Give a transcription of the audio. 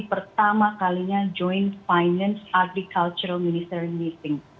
pertama kalinya joint finance agricultural ministeri meeting